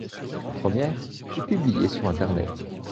La première est publiée sur Internet.